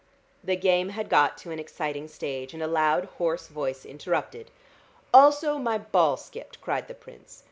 The game had got to an exciting stage, and a loud hoarse voice interrupted. "Also my ball skipped," cried the Prince.